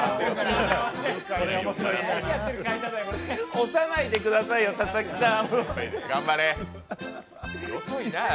押さないでくださいよ、佐々木さん